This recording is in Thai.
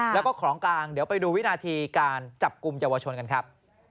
แล้วก็ของกลางเดี๋ยวไปดูวินาทีการจับกลุ่มเยาวชนกันครับ